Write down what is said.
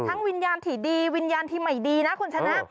วิญญาณที่ดีวิญญาณที่ไม่ดีนะคุณชนะ